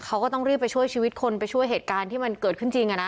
เขาก็ต้องรีบไปช่วยชีวิตคนไปช่วยเหตุการณ์ที่มันเกิดขึ้นจริง